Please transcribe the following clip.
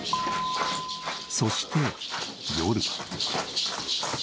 そして夜。